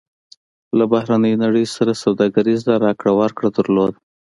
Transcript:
له بهرنۍ نړۍ سره سوداګریزه راکړه ورکړه درلوده.